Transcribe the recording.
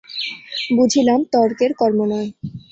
বুঝিলাম, তর্কের কর্ম নয়।